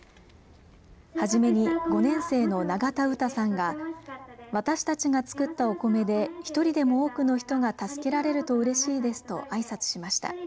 初めに５年生の永田羽音さんが私たちが作ったお米で１人でも多くの人が助けられるとうれしいですとあいさつしました。